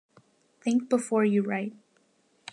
Think before you write.